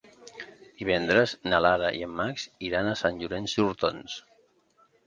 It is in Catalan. Divendres na Lara i en Max iran a Sant Llorenç d'Hortons.